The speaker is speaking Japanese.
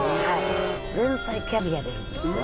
前菜キャビア出るんですよ。